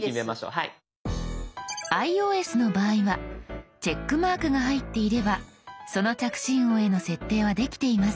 ｉＯＳの場合はチェックマークが入っていればその着信音への設定はできています。